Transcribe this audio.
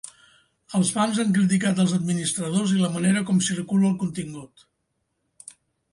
Els fans han criticat els administradors i la manera com circula el contingut.